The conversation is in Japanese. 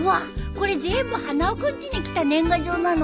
これ全部花輪君ちに来た年賀状なの？